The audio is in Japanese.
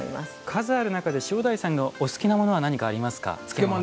数ある中で塩鯛さんがお好きなものはありますか？